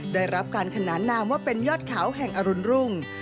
ได้รับการขนานนามว่าเป็นยอดเขาแห่งอรุณรุ่ง